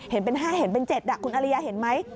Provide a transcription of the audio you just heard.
เห็นเป็น๕เห็นเป็น๗คุณอริยาเห็นไหม